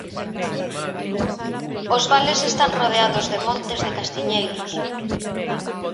Os vales están rodeados de montes de castiñeiros.